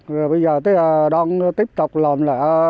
rồi bây giờ đoàn tiếp tục làm lạ